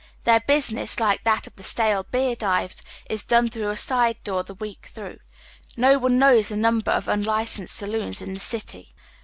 Their business, like that of the stale beer dives, is done through a side door the week tlirongh. No one knows the number of unlicensed saloons in the city.